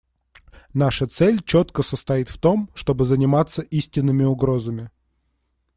Наша цель четко состоит в том, чтобы заниматься истинными угрозами.